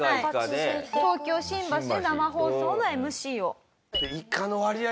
東京新橋で生放送のＭＣを。